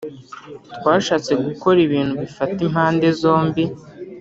twashatse gukora ibintu bifata impande zombi